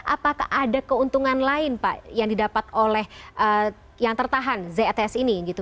apakah ada keuntungan lain pak yang didapat oleh yang tertahan zs ini gitu